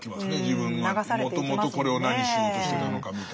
自分がもともとこれを何しようとしてたのかみたいな。